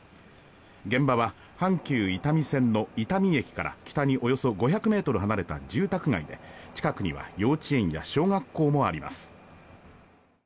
現場は阪急伊丹線の伊丹駅から北におよそ５００ｍ離れた住宅街で近くには幼稚園や小学校もあります。